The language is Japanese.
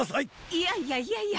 いやいやいやいや。